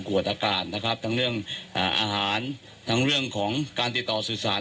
ในเรื่องของกวดอากาศนะครับทั้งเรื่องอ่าอาหารทั้งเรื่องของการติดต่อสื่อสาร